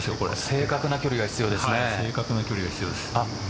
正確な距離が必要ですね。